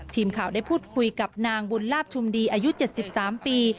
ทีมข่าวได้พูดคุยกับนางบุญลาบชุมดีอายุ๗๓ปี